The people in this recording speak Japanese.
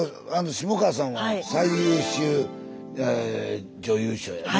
下川さんは最優秀女優賞やね。